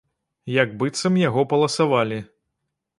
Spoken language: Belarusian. Як быццам яго паласавалі.